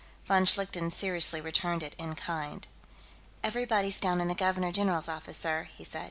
Von Schlichten seriously returned it in kind. "Everybody's down in the Governor General's office, sir," he said.